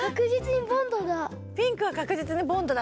ピンクはかくじつにボンドだ。